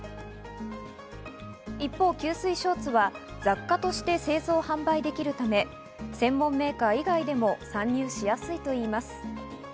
一方、吸水ショーツは雑貨として製造・販売できるため専門メーカー以外でも参入しやすいといいます。